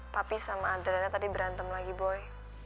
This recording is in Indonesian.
papi sama adrena tadi berantem lagi boy